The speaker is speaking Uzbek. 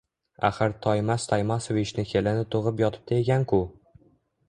Axir Toymas Toymasovichni kelini tug`ib yotibdi ekan-ku